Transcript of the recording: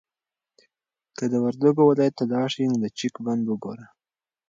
که د وردګو ولایت ته لاړ شې نو د چک بند وګوره.